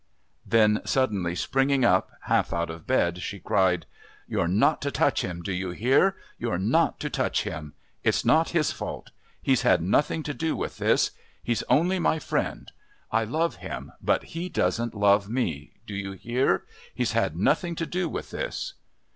Then suddenly springing up, half out of bed, she cried, "You're not to touch him. Do you hear? You're not to touch him! It's not his fault. He's had nothing to do with this. He's only my friend. I love him, but he doesn't love me. Do you hear? He's had nothing to do with this!"